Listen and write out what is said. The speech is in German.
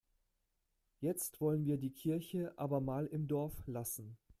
Jetzt wollen wir die Kirche aber mal im Dorf lassen.